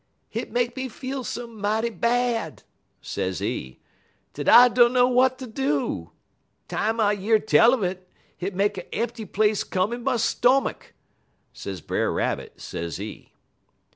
"'Hit make me feel so mighty bad,' sezee, 'dat I dunner w'at ter do. Time I year tell un it, hit make a empty place come in my stomach,' sez Brer Rabbit, sezee.